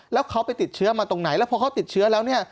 แล้วเขาไปติดเชื้อมาตรงไหนแล้วพอเขาติดเชื้อแล้วเนี่ย